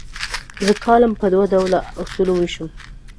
زه کالم په دوه ډوله اصولو ویشم.